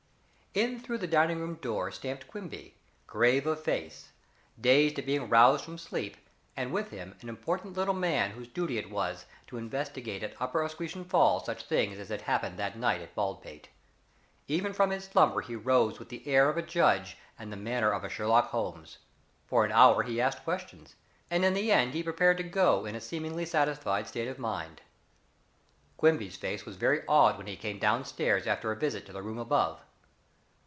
In through the dining room door stamped Quimby, grave of face, dazed at being roused from sleep, and with him an important little man whose duty it was to investigate at Upper Asquewan Falls such things as had happened that night at Baldpate. Even from his slumber he rose with the air of a judge and the manner of a Sherlock Holmes. For an hour he asked questions, and in the end he prepared to go in a seemingly satisfied state of mind. Quimby's face was very awed when he came down stairs after a visit to the room above.